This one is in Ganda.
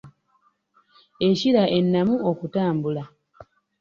Ekira ennamu okutambula.